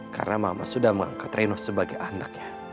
karena mama sudah mengangkat reno sebagai anaknya